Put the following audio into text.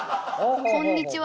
「こんにちは」